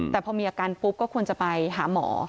แต่พอมีอาการปุ๊บก็ควรจะไปหาหมอ